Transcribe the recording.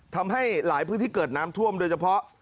ทำให้หลายพื้นที่เกิดน้ำท่วมโดยเฉพาะ